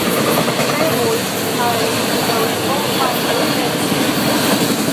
Streboj al daŭripova estonteco.